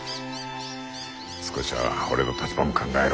少しは俺の立場も考えろ。